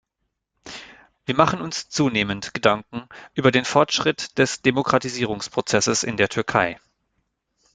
Wir machen uns zunehmend Gedanken über den Fortschritt des Demokratisierungsprozesses in der Türkei.